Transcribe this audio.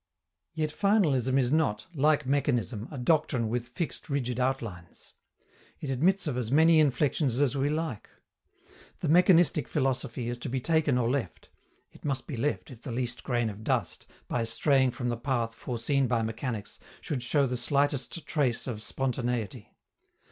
Yet finalism is not, like mechanism, a doctrine with fixed rigid outlines. It admits of as many inflections as we like. The mechanistic philosophy is to be taken or left: it must be left if the least grain of dust, by straying from the path foreseen by mechanics, should show the slightest trace of spontaneity.